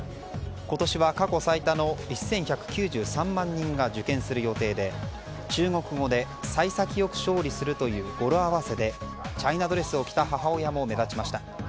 今年は過去最多の１１９３万人が受験する予定で中国語で幸先よく勝利するという語呂合わせでチャイナドレスを着た母親も目立ちました。